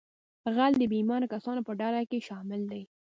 غل د بې ایمانه کسانو په ډله کې شامل دی